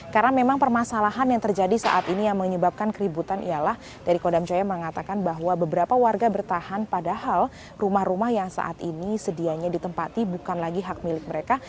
karena memang permasalahan yang terjadi saat ini yang menyebabkan keributan ialah dari kodam jaya mengatakan bahwa beberapa warga bertahan padahal rumah rumah yang saat ini sedianya ditempati bukan lagi hak milik mereka